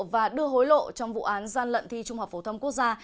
và đưa hối lộ trong vụ án gian lận thi trung học phổ thông quốc gia